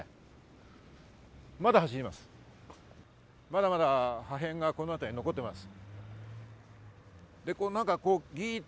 まだまだ破片がこの辺りに残っています。